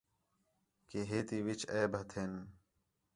کہ ہے تی وِچ عیب ہتھین